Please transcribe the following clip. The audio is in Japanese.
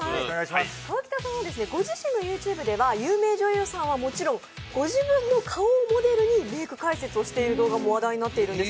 河北さんはご自身のＹｏｕＴｕｂｅでは有名女優さんはもちろんご自分の顔をモデルにメーク解説をしてる動画もあるんです。